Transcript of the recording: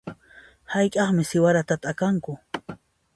Hayk'aqmi siwarata t'akanku?